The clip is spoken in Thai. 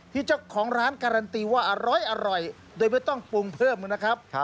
ที่เจ้าของร้านการันตีว่าอร้อยโดยไม่ต้องปรุงเพิ่มนะครับ